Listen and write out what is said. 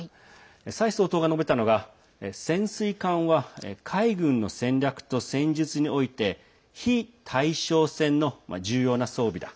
蔡総統が述べたのが、潜水艦は海軍の戦略と戦術において非対称戦の重要な装備だ。